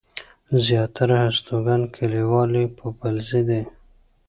زياتره هستوګن کلیوال يې پوپلزي دي.